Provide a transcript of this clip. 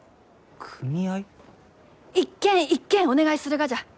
一軒一軒お願いするがじゃ。